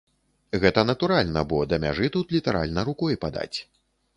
Гэта натуральна, бо да мяжы тут літаральна рукой падаць.